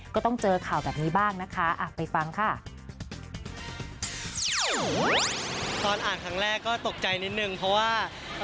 ก็ต้องเจอข่าวแบบนี้บ้างนะคะไปฟังค่ะ